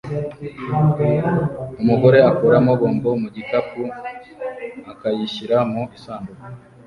Umugore akuramo bombo mu gipangu akayishyira mu isanduku